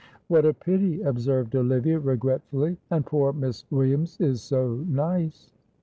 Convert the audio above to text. "What a pity!" observed Olivia, regretfully. "And poor Miss Williams is so nice."